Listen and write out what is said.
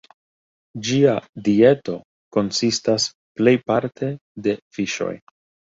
Ĝia dieto konsistas plejparte de fiŝoj.